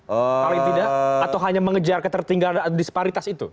paling tidak atau hanya mengejar ketertinggalan disparitas itu